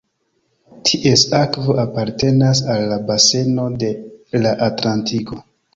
Ties akvo apartenas al la baseno de la Atlantiko.